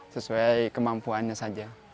sesuai kemampuannya saja